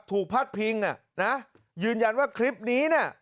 ถูกพัดพิงน่ะยืนยันว่าคลิปนี้น่ะ